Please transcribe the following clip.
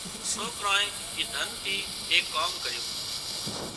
سوڪرانئي اي ڌن ٿي ايڪ ڪام ڪريون